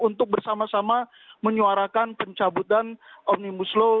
untuk bersama sama menyuarakan pencabutan omnibus law